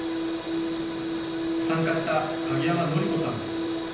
参加した蔭山法子さんです。